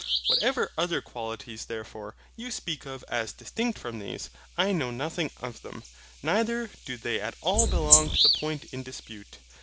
Whatever other qualities, therefore, you speak of as distinct from these, I know nothing of them, neither do they at all belong to the point in dispute.